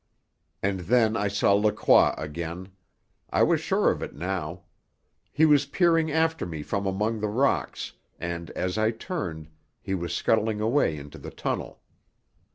And then I saw Lacroix again. I was sure of it now. He was peering after me from among the rocks, and, as I turned, he was scuttling away into the tunnel.